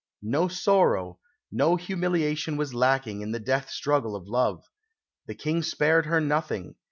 "No sorrow, no humiliation was lacking in the death struggle of love. The King spared her nothing.